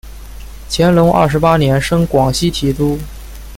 乾隆二十八年升广西提督。